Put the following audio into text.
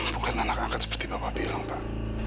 bukan anak angkat seperti bapak bilang pak